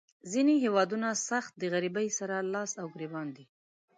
ځینې هیوادونه سخت د غریبۍ سره لاس او ګریوان دي.